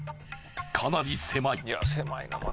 かなり狭い。